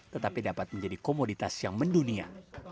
tetapi dapat menjadi komoditas yang mendunia